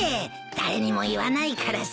誰にも言わないからさ。